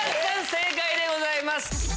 正解でございます。